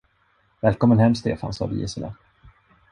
Välkommen hem, Stefan, sade Gisela.